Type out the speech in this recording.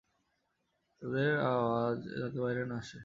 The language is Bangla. তাদের আওয়াজ যাতে বাইরে না আসে।